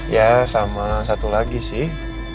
ya sama satu lagi sih